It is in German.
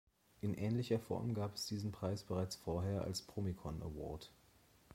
In ähnlicher Form gab es diesen Preis bereits vorher als Promikon-Award.